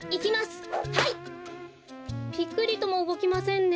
ぴくりともうごきませんね。